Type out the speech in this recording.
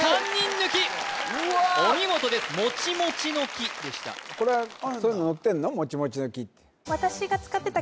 うわお見事です「モチモチの木」でしたこれはそういうの載ってんの？